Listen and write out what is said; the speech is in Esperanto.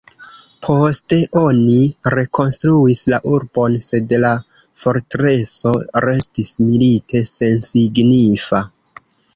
Poste oni rekonstruis la urbon, sed la fortreso restis milite sensignifa.